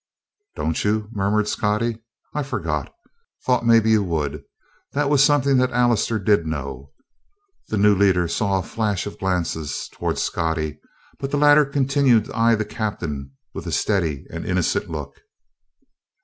"Don't you?" murmured Scottie. "I forgot. Thought maybe you would. That was something that Allister did know." The new leader saw a flash of glances toward Scottie, but the latter continued to eye the captain with a steady and innocent look.